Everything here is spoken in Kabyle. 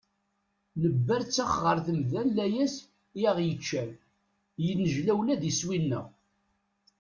Nebberttex ɣer temda n layas i aɣ-yeččan, yennejla ula d iswi-nneɣ.